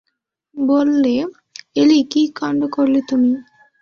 বললে, এলী, কী কাণ্ড করলে তুমি?